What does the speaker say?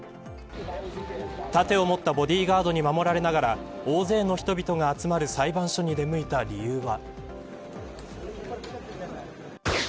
盾を持ったボディーガードに守られながら大勢の人々が集まる裁判所に出向いた理由は。